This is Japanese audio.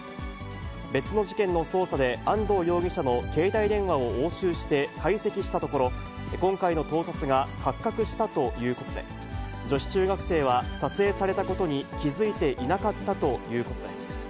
別の事件の捜査で安藤容疑者の携帯電話を押収して解析したところ、今回の盗撮が発覚したということで、女子中学生は撮影されたことに気付いていなかったということです。